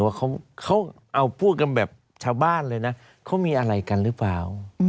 ว่าเขาเอาพูดกันแบบชาวบ้านเลยนะเขามีอะไรกันหรือเปล่า